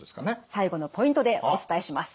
最後のポイントでお伝えします。